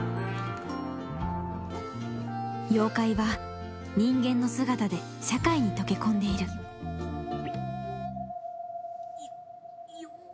妖怪は人間の姿で社会に溶け込んでいるよ。